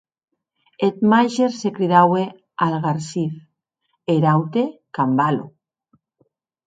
Eth màger se cridaue Algarsif, e er aute, Cambalo.